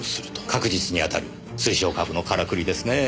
確実に当たる推奨株のからくりですねえ。